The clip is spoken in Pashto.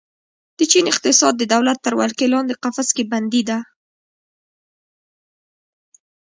د چین اقتصاد د دولت تر ولکې لاندې قفس کې بندي ده.